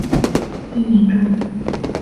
艺名中。